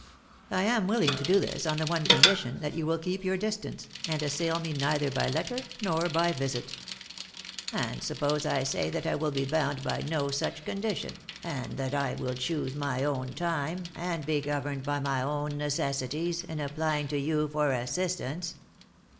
I am willing to do this, on the one condition that you will keep your distance, and assail me neither by letter nor by visit." " And suppose I say that I will be bound by no such con dition, that I will choose my own time, and be governed by my 274 Lost for Love. own necessities, in applying to you for assistance